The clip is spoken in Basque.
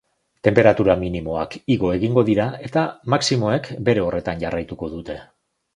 Tenperatura minimoak igo egingo dira, eta maximoek bere horretan jarraituko dute.